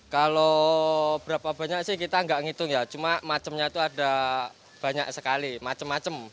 kalau berapa banyak sih kita nggak ngitung ya cuma macemnya itu ada banyak sekali macem macem